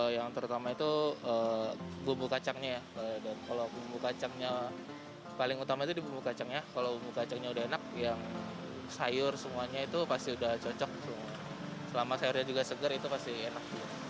yang terutama itu bumbu kacangnya ya dan kalau bumbu kacangnya paling utama itu di bumbu kacangnya kalau bumbu kacangnya udah enak yang sayur semuanya itu pasti udah cocok selama sayurnya juga segar itu pasti enak